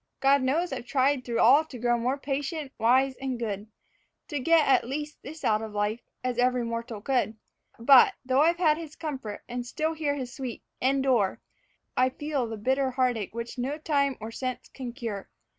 God knows I've tried through all to grow more patient, wise, and good; To get at least this out of life, as every mortal should. But, though I've had his comfort, and still hear his sweet 'Endure,' I feel the bitter heartache which no time or sense can cure.